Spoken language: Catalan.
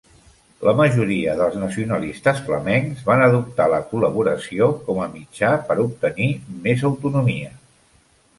La majoria dels nacionalistes flamencs van adoptar la col·laboració com a mitjà per obtenir més autonomia.